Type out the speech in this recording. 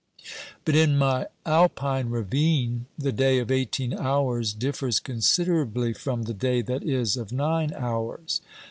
But in my Alpine ravine the day of eighteen hours differs considerably from the day that is of nine hours.